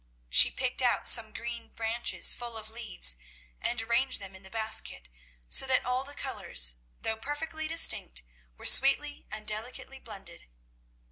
She picked out some green branches full of leaves, and arranged them in the basket, so that all the colours, though perfectly distinct, were sweetly and delicately blended.